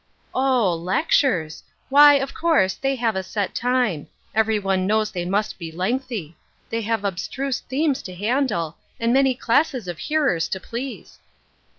" Oh, lectures ! Why, of course, they have a set time ; every one knows they must be lengthy. They have abstruse themes to handle, and many classes of hearers to please."